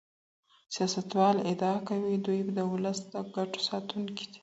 سياستوال ادعا کوي چي دوی د ولس د ګټو ساتونکي دي.